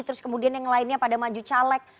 terus kemudian yang lainnya pada maju caleg